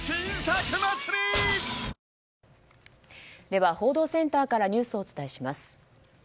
では報道センターからニュースをお伝えします。